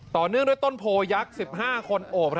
เนื่องด้วยต้นโพยักษ์๑๕คนโอบ